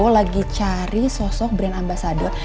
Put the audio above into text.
lagi cari sosok brand ambasador